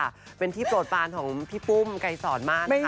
หมีเปิ้ลฝันของพี่ปุ่ม่ใกล้สอดมาก